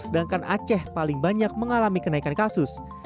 sedangkan aceh paling banyak mengalami kenaikan kasus